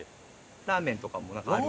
ラーメンとかもある。